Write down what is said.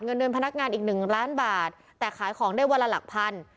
เงินเดือนพนักงานอีกหนึ่งล้านบาทแต่ขายของได้วันละหลักพัน